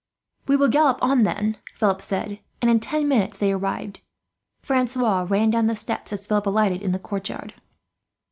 "We will gallop on then," Philip said, and in ten minutes they arrived. Francois ran down the steps as Philip alighted in the courtyard.